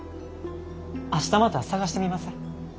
明日また探してみます。